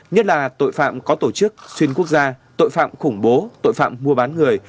nhất là tội phạm có tổ chức xuyên quốc gia tội phạm khủng bố tội phạm mua bán người